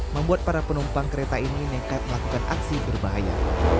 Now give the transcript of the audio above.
membuat para penumpang kereta ini nekat melakukan aksi berbahaya